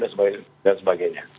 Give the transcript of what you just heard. dia sudah tahu dan sebagainya